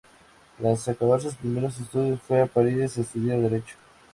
Tras acabar sus primeros estudios, fue a París a estudiar derecho.